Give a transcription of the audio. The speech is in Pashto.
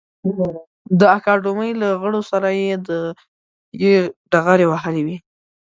د اکاډمۍ له غړو سره یې ډغرې وهلې وې.